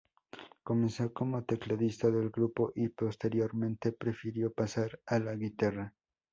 Comenzó como tecladista del grupo y posteriormente prefirió pasar a la guitarra.